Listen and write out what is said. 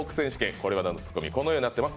これまでのツッコミはこのようになっています。